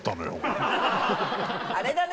あれだね。